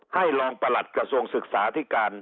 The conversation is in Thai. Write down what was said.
รองประหลัดกระทรวงศึกษาที่การ